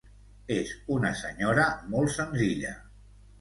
És una senyora molt senzilla.